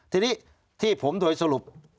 ทีนี้ที่ผมโดยสรุป